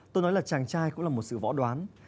tôi nói là chàng trai cũng là một sự võ đoán